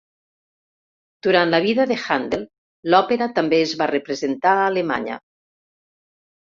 Durant la vida de Handel, l'òpera també es va representar a Alemanya.